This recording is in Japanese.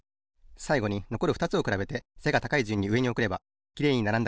さいごにのこるふたつをくらべて背が高いじゅんにうえにおくればきれいにならんだ